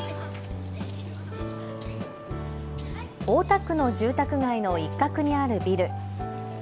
大田区の住宅街の一角にあるビル。